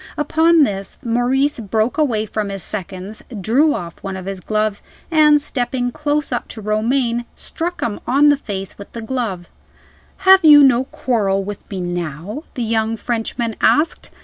Upon this, Maurice broke away from his seconds; drew off one of his gloves; and stepping close up to Romayne, struck him on the face with the glove. "Have you no quarrel with me now?" the young Frenchman asked.